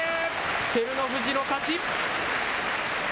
照ノ富士の勝ち。